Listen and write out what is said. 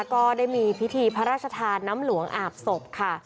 ก็ได้มีพิธีพระราชทานน้ำหลวงอาบศพค่ะ